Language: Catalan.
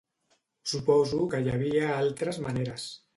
Suposo que hi havia altres maneres.